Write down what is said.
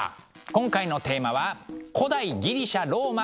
今回のテーマは「古代ギリシャ・ローマ旅のしおり」。